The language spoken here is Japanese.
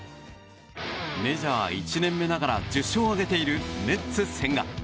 メジャー１年目ながら１０勝を挙げているメッツ、千賀。